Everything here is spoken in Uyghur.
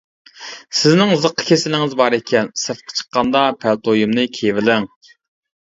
سىزنىڭ زىققا كېسىلىڭىز بار ئىكەن، سىرتقا چىققاندا پەلتويۇمنى كىيىۋېلىڭ.